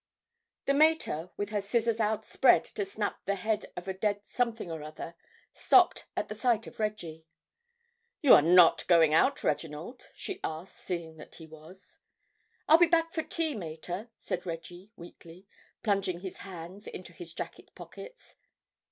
The mater, with her scissors outspread to snap the head of a dead something or other, stopped at the sight of Reggie. "You are not going out, Reginald?" she asked, seeing that he was. "I'll be back for tea, mater," said Reggie weakly, plunging his hands into his jacket pockets.